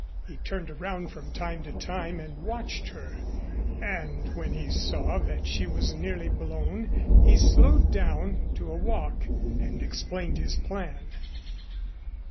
He turned around from time to time and watched her, and when he saw that she was nearly blown he slowed down to a walk and explained his plan.